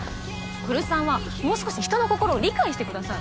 来栖さんはもう少し人の心を理解してください。